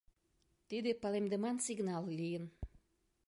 Тиде палемдыман сигнал лийын.